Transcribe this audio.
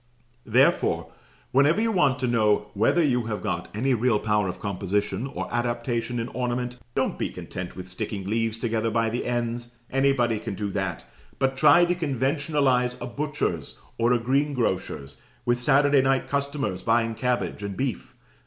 Therefore, whenever you want to know whether you have got any real power of composition or adaptation in ornament, don't be content with sticking leaves together by the ends, anybody can do that; but try to conventionalize a butcher's or a greengrocer's, with Saturday night customers buying cabbage and beef.